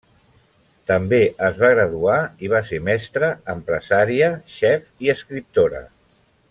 També es va graduar i va ser mestra, empresària, xef i escriptora.